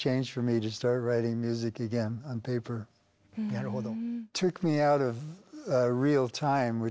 なるほど。